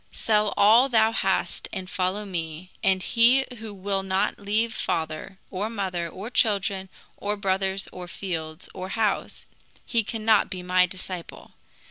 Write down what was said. Sell all thou hast and follow me; and he who will not leave father, or mother, or children, or brothers, or fields, or house, he cannot be my disciple.